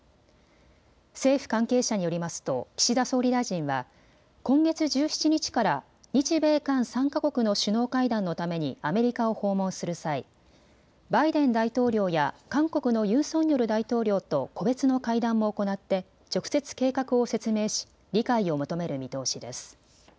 政府関係者によりますと岸田総理大臣は今月１７日から日米韓３か国の首脳会談のためにアメリカを訪問する際、バイデン大統領や韓国のユン・ソンニョル大統領と個別の会談も行って直接計画を説明し理解を求める見通しです。